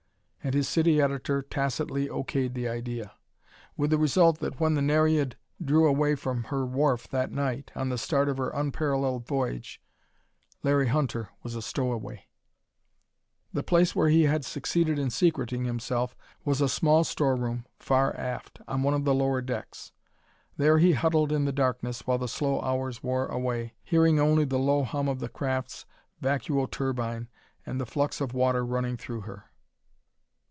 And his city editor tacitly O. K.'d the idea. With the result that when the Nereid drew away from her wharf that night, on the start of her unparalleled voyage, Larry Hunter was a stowaway. The place where he had succeeded in secreting himself was a small storeroom far aft, on one of the lower decks. There he huddled in the darkness, while the slow hours wore away, hearing only the low hum of the craft's vacuo turbine and the flux of water running through her.